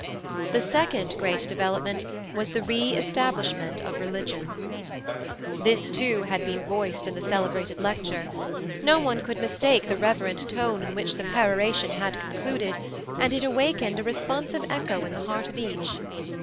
The second great development was the re establishment of religion. This, too, had been voiced in the celebrated lecture. No one could mistake the reverent tone in which the peroration had concluded, and it awakened a responsive echo in the heart of each.